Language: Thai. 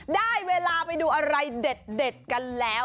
ได้เวลาไปดูอะไรเด็ดกันแล้ว